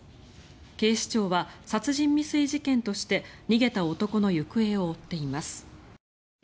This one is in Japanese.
警視庁は殺人未遂事件として逃げた男の行方を追っています。